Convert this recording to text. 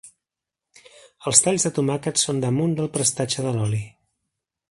Els talls de tomàquet són damunt del prestatge de l'oli.